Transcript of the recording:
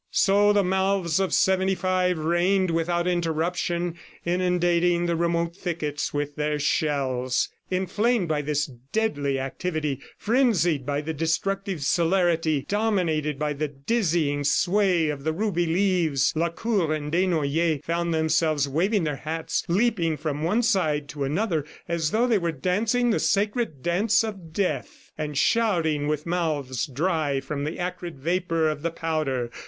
So the mouths of '75 rained without interruption, inundating the remote thickets with their shells. Inflamed by this deadly activity, frenzied by the destructive celerity, dominated by the dizzying sway of the ruby leaves, Lacour and Desnoyers found themselves waving their hats, leaping from one side to another as though they were dancing the sacred dance of death, and shouting with mouths dry from the acrid vapor of the powder.